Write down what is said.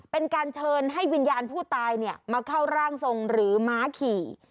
เป็นการเชิญให้วิญญาณผู้ตายมาเข้าร่างทรงหรือม้าขี่